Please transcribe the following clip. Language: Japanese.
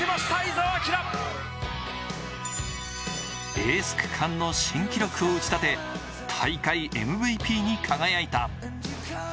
エース区間の新記録を打ち立て、大会ＭＶＰに輝いた。